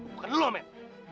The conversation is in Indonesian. bukan lu men